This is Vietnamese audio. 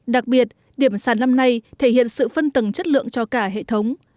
đặc biệt điểm sàn năm nay thể hiện sự phân tầng chất lượng cho cả hệ thống